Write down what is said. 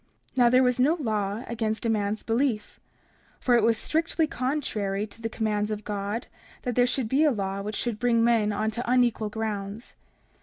30:7 Now there was no law against a man's belief; for it was strictly contrary to the commands of God that there should be a law which should bring men on to unequal grounds.